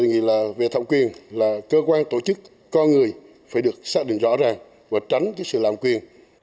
tôi đề nghị là về thẩm quyền là cơ quan tổ chức con người phải được xác định rõ ràng và tránh sự làm quyền